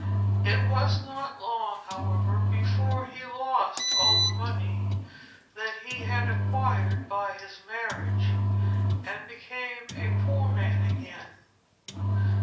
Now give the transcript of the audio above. It was not long, however, before he lost all the money that he had acquired by his marriage, and became a poor man again.